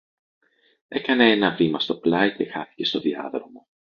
έκανε ένα βήμα στο πλάι και χάθηκε στο διάδρομο